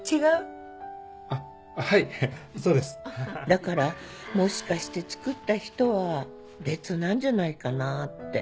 だからもしかして作った人は別なんじゃないかなって。